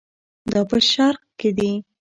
دا په شرق کې دي.